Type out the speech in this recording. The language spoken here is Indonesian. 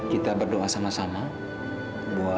nona kita berdoa sama sama buat omer lambang ya